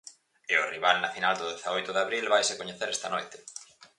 E o rival na final do dezaoito de abril vaise coñecer esta noite.